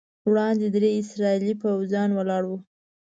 وړاندې درې اسرائیلي پوځیان ولاړ وو.